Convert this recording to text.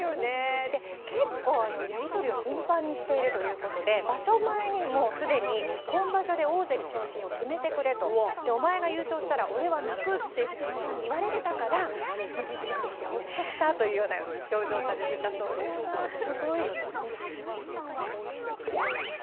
結構やり取りを頻繁にしているということで場所前にもすでに今場所で大関昇進を決めてくれとお前が優勝したら俺は泣くというふうにおじさんに言われてたから実現できてほっとした有言実行だ、すごい。